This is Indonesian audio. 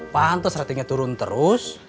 pantes ratingnya turun terus